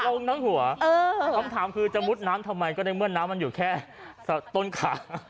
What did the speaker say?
ลงทั้งหัวคำถามคือจะมุดน้ำทำไมก็ในเมื่อน้ำมันอยู่แค่ต้นขา